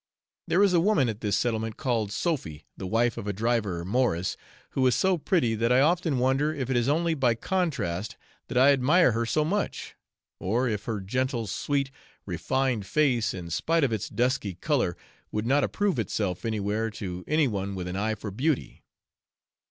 There is a woman at this settlement called Sophy, the wife of a driver, Morris, who is so pretty that I often wonder if it is only by contrast that I admire her so much, or if her gentle, sweet, refined face, in spite of its dusky colour, would not approve itself anywhere to any one with an eye for beauty.